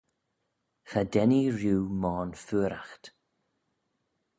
Cha dennee rieau moyrn feayraght